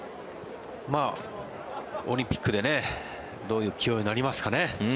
オリンピックでどういう起用になりますかね。